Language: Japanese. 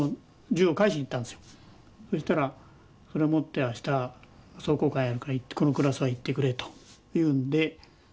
そしたらそれ持って明日壮行会あるからこのクラスは行ってくれと言うんで。